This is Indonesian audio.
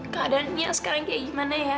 keadaannya sekarang kayak gimana ya